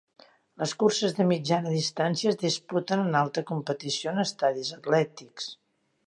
Les curses de mitjana distància es disputen en alta competició en estadis atlètics.